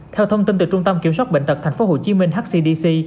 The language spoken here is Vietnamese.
theo thông tin từ trung tâm kiểm soát bệnh tật tp hcm hcdc